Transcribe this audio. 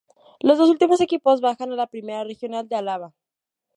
Los dos últimos equipos bajan a la Primera Regional de Álava.